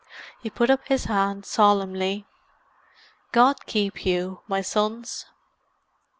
He put up his hand solemnly. "God keep you, my sons!"